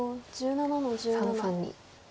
三々に。